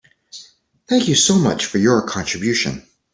Thank you so much for your contribution.